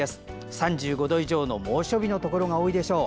３５度以上の猛暑日のところが多いでしょう。